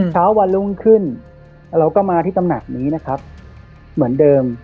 เช้าวันรุ่งขึ้นเราก็มาที่ตำหนักนี้นะครับเหมือนเดิม